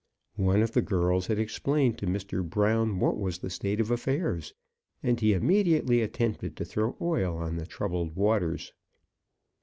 One of the girls had explained to Mr. Brown what was the state of affairs, and he immediately attempted to throw oil on the troubled waters.